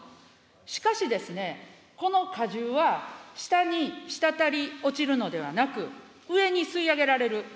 しかしですね、この果汁は下に滴り落ちるのではなく、上に吸い上げられる。